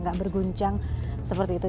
gak berguncang seperti itu